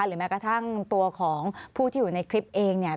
แม้กระทั่งตัวของผู้ที่อยู่ในคลิปเองเนี่ย